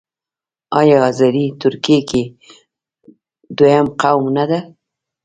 آیا آذری ترکګي دویم لوی قوم نه دی؟